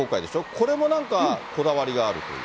これもなんか、こだわりがあるという。